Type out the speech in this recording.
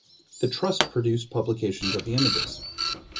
The trust produce publications of the images.